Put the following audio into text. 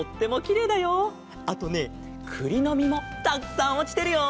あとねくりのみもたくさんおちてるよ！